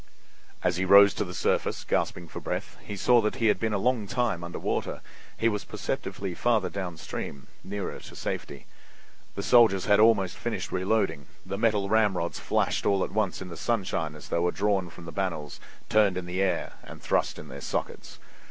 As he rose to the surface, gasping for breath, he saw that he had been a long time under water; he was perceptibly farther downstream—nearer to safety. The soldiers had almost finished reloading; the metal ramrods flashed all at once in the sunshine as they were drawn from the barrels, turned in the air, and thrust into their sockets.